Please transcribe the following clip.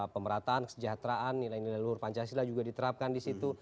pemerataan kesejahteraan nilai nilai luhur pancasila juga diterapkan di situ